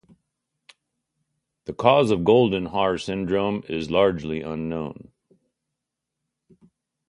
The cause of Goldenhar syndrome is largely unknown.